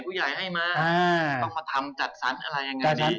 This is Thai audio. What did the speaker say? ผู้ใหญ่ให้มาต้องมาทำจัดสรรอะไรอย่างนี้